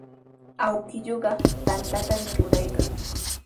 Awkilluuqa tantatami ruraykan.